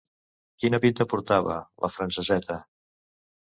Quina pinta portava, la franceseta!